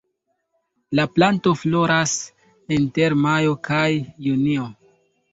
La planto floras inter majo kaj junio.